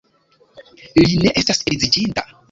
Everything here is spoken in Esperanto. Li ne estas edziĝinta.